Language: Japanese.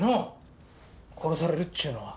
殺されるっちゅうのは。